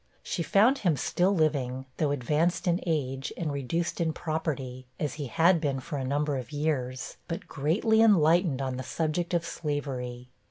She found him still living, though advanced in age, and reduced in property, (as he had been for a number of years,) but greatly enlightened on the subject of slavery.